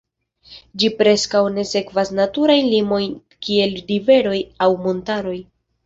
Ĝi preskaŭ ne sekvas naturajn limojn kiel riveroj aŭ montaroj.